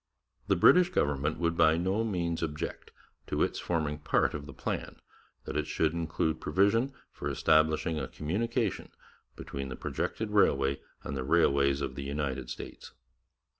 'The British Government would by no means object to its forming part of the plan that it should include provision for establishing a communication between the projected railway and the railways of the United States.'